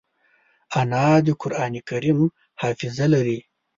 انا د قرانکریم حافظه لري